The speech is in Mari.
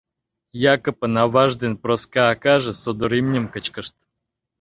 Якыпын аваж ден Проска акаже содор имньым кычкышт.